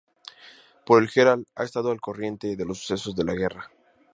Por el Herald he estado al corriente de los sucesos de la guerra.